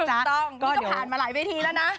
ถูกต้องนี่ก็ผ่านมาหลายพิธีแล้วนะ